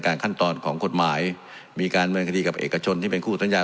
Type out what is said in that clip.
ขั้นตอนของกฎหมายมีการเมืองคดีกับเอกชนที่เป็นคู่สัญญา